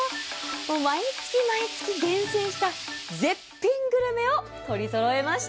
毎月毎月厳選した絶品グルメを取りそろえました。